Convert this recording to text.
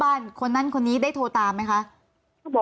ยายก็ยังแอบไปขายขนมแล้วก็ไปถามเพื่อนบ้านว่าเห็นไหมอะไรยังไง